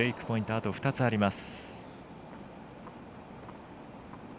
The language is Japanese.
あと２つあります。